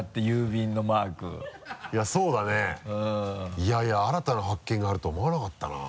いやいや新たな発見があるとは思わなかったな。